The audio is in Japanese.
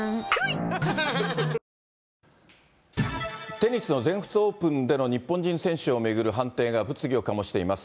テニスの全仏オープンでの日本人選手を巡る判定が物議を醸しています。